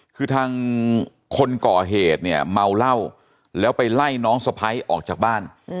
คือทางคนก่อเหตุเนี่ยเมาเหล้าแล้วไปไล่น้องสะพ้ายออกจากบ้าน